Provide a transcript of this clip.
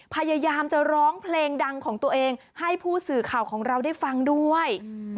พยายามจะร้องเพลงดังของตัวเองให้ผู้สื่อข่าวของเราได้ฟังด้วย